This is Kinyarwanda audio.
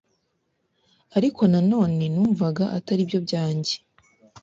ariko nanone numvaga ataribyo byange